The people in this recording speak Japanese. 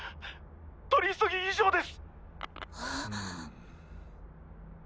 取り急ぎ以上です！